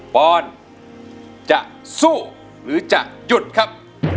ปอนจะสู้หรือจะหยุดครับ